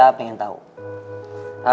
kenpa saya paham